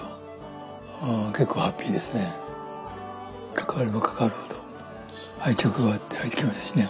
関われば関わるほど愛着がわいてきますしね。